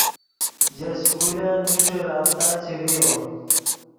ژے سکولن نیݰے رابطہ چے ڤیو